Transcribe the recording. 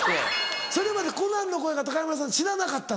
それまでコナンの声が高山さん知らなかったんだ。